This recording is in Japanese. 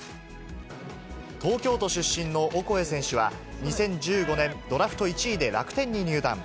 東京都出身のオコエ選手は２０１５年、ドラフト１位で楽天に入団。